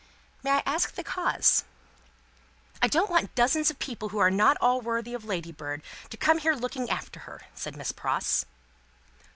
"May I ask the cause?" "I don't want dozens of people who are not at all worthy of Ladybird, to come here looking after her," said Miss Pross.